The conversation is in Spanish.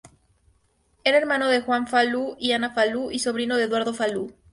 Era hermano de Juan Falú y Ana Falú y sobrino de Eduardo Falú.